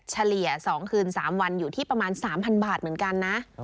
เฉลี่ย๒คืน๓วันอยู่ที่ประมาณ๓๐๐บาทเหมือนกันนะ